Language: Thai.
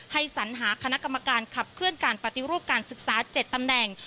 สัญหาคณะกรรมการขับเคลื่อนการปฏิรูปการศึกษา๗ตำแหน่ง